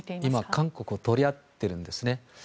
今、韓国を取り合っているんですね。